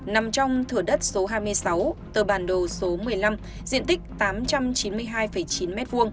nằm trong thửa đất số hai mươi sáu tờ bản đồ số một mươi năm diện tích tám trăm chín mươi hai chín m hai